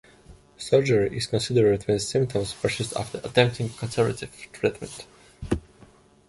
Surgery is considered when symptoms persist after attempting conservative treatment.